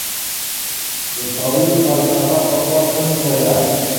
د تاريخ فلسفه پخوا څه نومېده؟